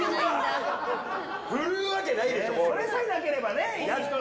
それさえなければね。